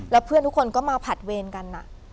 แล้วเพื่อนทุกคนก็มาผัดเวรกัน